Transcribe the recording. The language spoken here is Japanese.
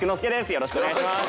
よろしくお願いします。